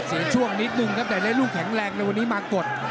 เสียช่วงนิดนึงครับแต่ได้ลูกแข็งแรงเลยวันนี้มากด